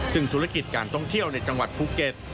ซึ่งธุรกิจการท่องเที่ยวในจังหวัดภูเก็ต